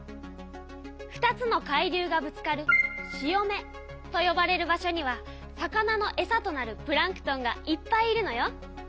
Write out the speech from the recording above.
２つの海流がぶつかる潮目とよばれる場所には魚のえさとなるプランクトンがいっぱいいるのよ。